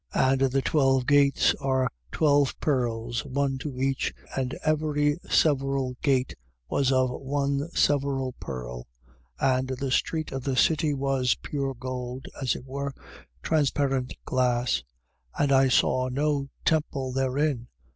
21:21. And the twelve gates are twelve pearls, one to each: and every several gate was of one several pearl. And the street of the city was pure gold, as it were, transparent glass. 21:22. And I saw no temple therein.